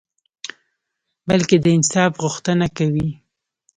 بلکي د انصاف غوښته کوي